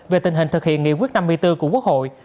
về tình hình thực hiện nghị quyết năm mươi bốn của quốc hội